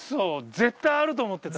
絶対あると思ってた。